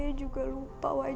hancurin aja ke tempat udara there